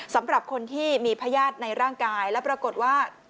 สำหรับคนที่มีพญาติในร่างกายและปรากฏว่า